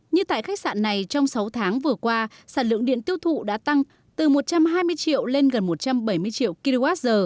như tại khách sạn này trong sáu tháng vừa qua sản lượng điện tiêu thụ đã tăng từ một trăm hai mươi triệu lên gần một trăm bảy mươi triệu kwh